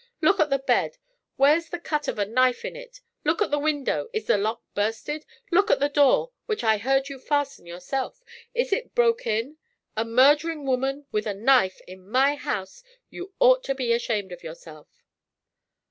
Look at the bed. Where's the cut of a knife in it? Look at the window is the lock bursted? Look at the door (which I heard you fasten yourself) is it broke in? A murdering woman with a knife in my house! You ought to be ashamed of yourself!"